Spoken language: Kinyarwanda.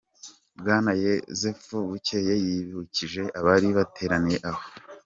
Bwana Yozefu Bukeye yibukije abari bateraniye aho,